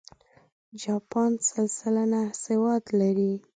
جاپان سل سلنه سواد لري.